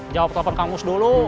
jawab telepon kamus dulu